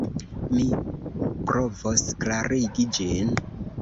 Mi provos klarigi ĝin.